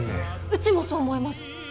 うちもそう思います！